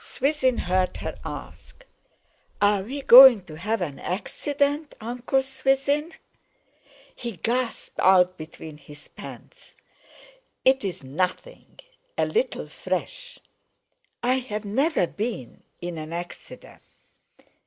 Swithin heard her ask: "Are we going to have an accident, Uncle Swithin?" He gasped out between his pants: "It's nothing; a—little fresh!" "I've never been in an accident."